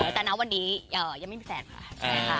แต่นะวันนี้ยังไม่มีแฟนค่ะ